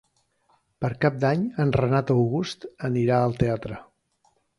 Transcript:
Per Cap d'Any en Renat August anirà al teatre.